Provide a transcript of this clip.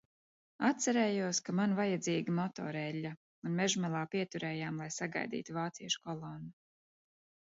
Atcerējos, ka man vaidzīga motoreļļa un mežmalā pieturējām, lai sagaidītu vāciešu kolonnu.